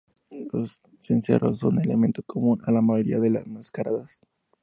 Los cencerros son elemento común a la mayoría de mascaradas.